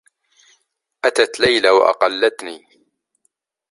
أتت ليلى و أقلّتني.